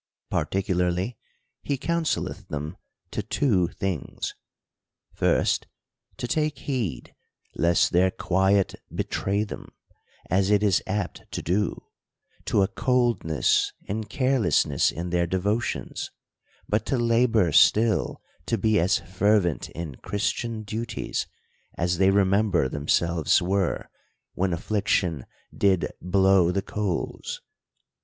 Particularly, he counselleth them to two things. First, to take heed lest their quiet betray them, as it is apt to do, to a coldness and carelessness in their devotions ; but to labor still to be as fervent in Christian duties, as they remember themselves were, when affliction did blow the coals.